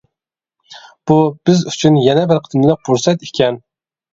بۇ بىز ئۈچۈن يەنە بىر قېتىملىق پۇرسەت ئىكەن.